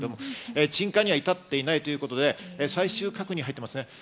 鎮火には至っていないということで、最終確認に入っています。